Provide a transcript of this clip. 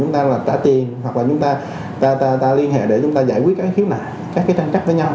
ta liên hệ để chúng ta giải quyết các khíu nạn các trang trắc với nhau